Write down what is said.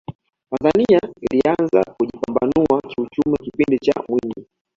tanzania ilianza kujipambanua kiuchumi kipindi cha mwinyi